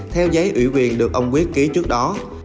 theo giấy ủy quyền được ông quyết ký trước đó